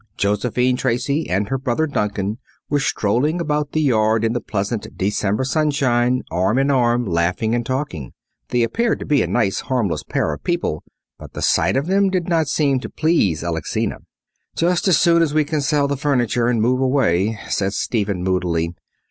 Josephine Tracy and her brother Duncan were strolling about the yard in the pleasant December sunshine, arm in arm, laughing and talking. They appeared to be a nice, harmless pair of people, but the sight of them did not seem to please Alexina. "Just as soon as we can sell the furniture and move away," said Stephen moodily.